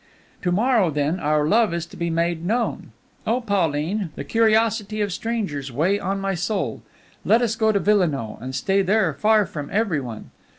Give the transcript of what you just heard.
"To morrow, then, our love is to be made known! Oh, Pauline! the eyes of others, the curiosity of strangers, weigh on my soul. Let us go to Villenoix, and stay there far from every one.